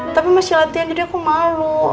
tapi masih latihan jadi aku malu